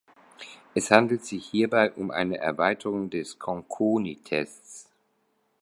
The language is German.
Es handelt sich hierbei um eine Erweiterung des Conconi-Tests.